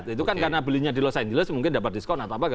itu kan karena belinya di los angeles mungkin dapat diskon atau apa